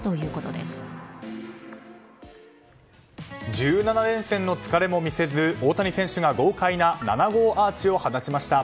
１７連戦の疲れも見せず大谷選手が豪快な７号アーチを放ちました。